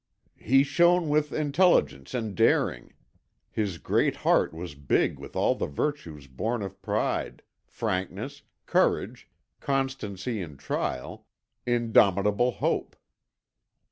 He shone with intelligence and daring. His great heart was big with all the virtues born of pride: frankness, courage, constancy in trial, indomitable hope.